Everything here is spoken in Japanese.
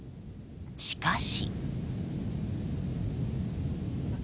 しかし。